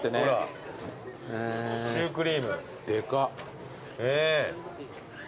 シュークリームでかっ。